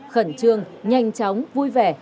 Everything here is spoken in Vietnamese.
khẩn trương nhanh chóng vui vẻ